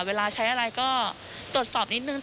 เวลาใช้อะไรก็ตรวจสอบนิดนึง